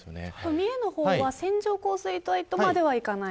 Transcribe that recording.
三重の方は線状降水帯とまではいかない。